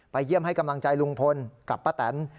เยี่ยมให้กำลังใจลุงพลกับป้าแตน